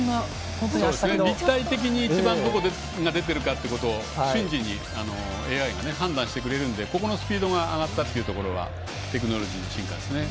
立体的に一番どこが出ているかを瞬時にＡＩが判断してくれるのでここのスピードが上がったというところはテクノロジーの進化ですね。